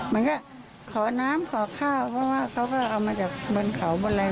มันก็ขอน้ำขอข้าวเพราะว่าเขาก็เอามาจากบนเขาบนอะไร